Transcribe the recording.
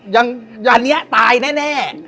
ยังอันนี้ตายแน่